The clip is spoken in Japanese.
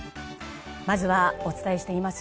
まずはお伝えしています